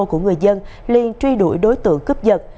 của người dân liên truy đuổi đối tượng cướp dật